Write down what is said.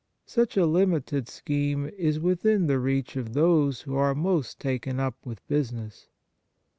Such a limited scheme is within the reach of those who are most taken up with business.